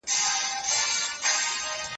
باکتریا او ویروسونه د ناروغۍ لامل کیږي.